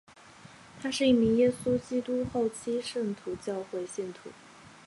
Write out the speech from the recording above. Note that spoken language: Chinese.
他是一名耶稣基督后期圣徒教会信徒。